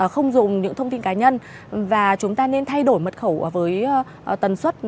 không dùng những thông tin cá nhân và chúng ta nên thay đổi mật khẩu với tần suất